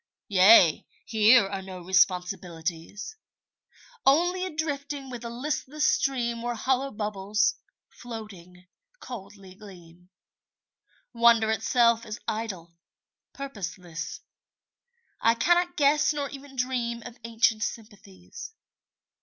Yea, here are no responsibilities. Only a drifting with the listless stream Where hollow bubbles, floating, coldly gleam. Wonder itself is idle, purposeless; I cannot guess Nor even dream of ancient sympathies.